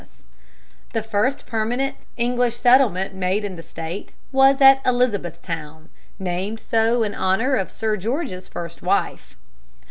] The first permanent English settlement made in the State was at Elizabethtown, named so in honor of Sir George's first wife.